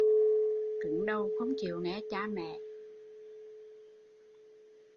Cứng đầu không chịu nghe cha mẹ